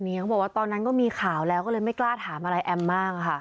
เขาบอกว่าตอนนั้นก็มีข่าวแล้วก็เลยไม่กล้าถามอะไรแอมมากค่ะ